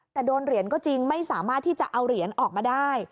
แต่โดนเหรียญก็จริงไม่สามารถที่จะเอาเหรียญออกมาได้